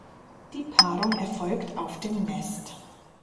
Die Paarung erfolgt auf dem Nest.